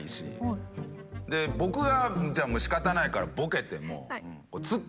僕がもう仕方ないからボケても。